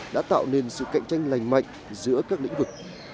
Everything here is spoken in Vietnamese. đã tạo nên sự cạnh tranh lành mạnh giữa các lĩnh vực